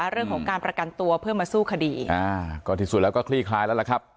เรื่องของการประกันตัวเพื่อมาสู้คดีอ่าก็ที่สุดแล้วก็คลี่คลายแล้วล่ะครับ